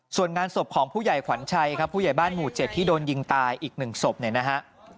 ส่วนงานศพของผู้ใหญ่ขวัญชัยครับผู้ใหญ่บ้านหมู่๗ที่โดนยิงตายอีก๑ศพเนี่ยนะฮะ